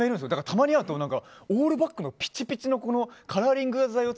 たまに会うとオールバックのピチピチでカラーリング剤を